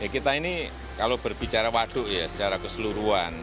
kita ini kalau berbicara waduk ya secara keseluruhan